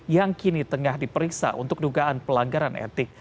yang kini tengah diperiksa untuk dugaan pelanggaran etik